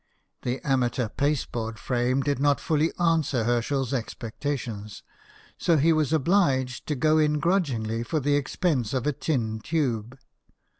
The amateur pasteboard frame did not fully answer Herschel's expecta tions, so he was obliged to go in grudgingly for the expense of a tin tube.